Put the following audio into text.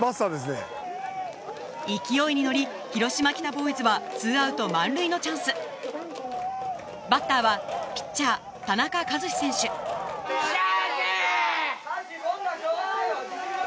勢いに乗り広島北ボーイズは２アウト満塁のチャンスバッターはピッチャー田中和志選手よっしゃ！